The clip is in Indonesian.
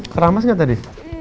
keramas gak tadi